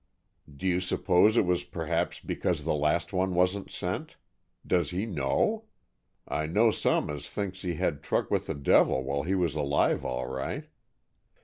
Do you suppose it was perhaps because the last one wasn't sent? Does he know? I know some as thinks he had truck with the devil while he was alive all right.